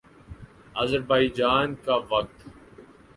آذربائیجان کا وقت